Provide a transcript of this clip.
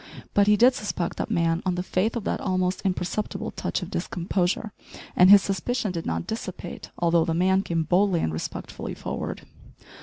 But he did suspect that man on the faith of that almost imperceptible touch of discomposure, and his suspicion did not dissipate although the man came boldly and respectfully forward.